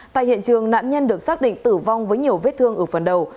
tại hiện trường nạn nhân được xác định tử vong với nhiều vết thương ở phần đầu